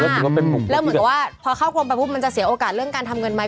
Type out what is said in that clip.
แล้วเหมือนกับว่าพอเข้ากรมไปปุ๊บมันจะเสียโอกาสเรื่องการทำเงินไหม